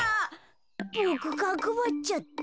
ボクかくばっちゃった。